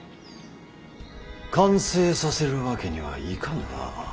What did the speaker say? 完成させるわけにはいかぬな。